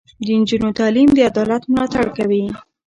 د نجونو تعلیم د عدالت ملاتړ کوي.